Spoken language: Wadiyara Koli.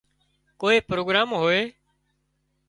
ڪوئي پروگرام هوئي